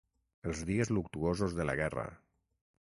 Els dies luctuosos de la guerra.